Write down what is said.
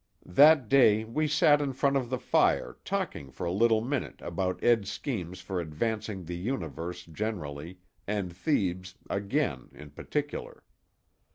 That day we sat in front of the fire talking for a little minute about Ed's schemes for advancing the universe generally, and Thebes, again, in particular.